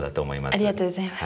ありがとうございます。